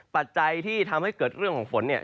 ปัจจัยที่ทำให้เกิดเรื่องของฝนเนี่ย